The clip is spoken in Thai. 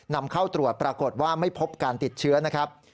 นำเข้าตรวจปรากฏว่าไม่พบการติดเชื้อนะครับ